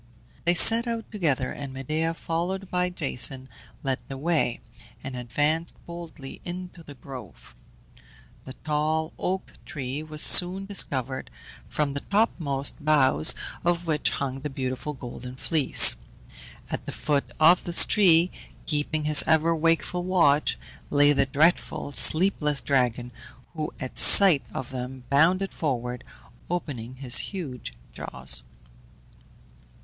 They set out together, and Medea, followed by Jason, led the way, and advanced boldly into the grove. The tall oak tree was soon discovered, from the topmost boughs of which hung the beautiful Golden Fleece. At the foot of this tree, keeping his ever wakeful watch, lay the dreadful, sleepless dragon, who at sight of them bounded forward, opening his huge jaws.